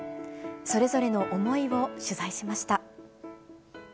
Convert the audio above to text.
それぞれの思いを取材しました。